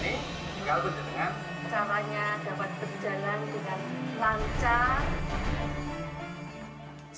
sehingga caranya dapat berjalan dengan lancar